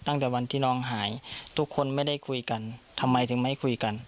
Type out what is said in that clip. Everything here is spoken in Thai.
ตั้งแต่วันที่น้องหายทุกคนไม่ได้คุยกันทำไมถึงไม่คุยกัน